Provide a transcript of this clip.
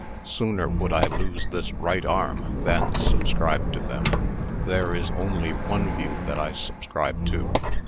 Sooner would I lose this right arm than subscribe to them. There is only one view that I subscribe to.